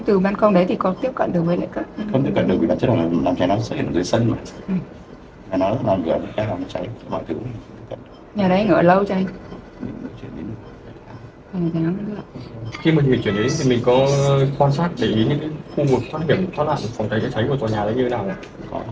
khi mình chuyển đến thì mình có quan sát để ý những khu vực thất hiểm thất lạc không thấy cháy của tòa nhà đó như thế nào không ạ